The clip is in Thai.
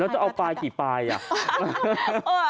จะเอาปลายกี่ปลายอ่ะ